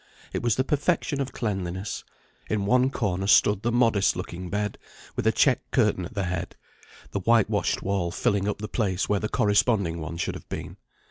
It was the perfection of cleanliness: in one corner stood the modest looking bed, with a check curtain at the head, the whitewashed wall filling up the place where the corresponding one should have been.